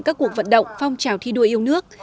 các cuộc vận động phong trào thi đua yêu nước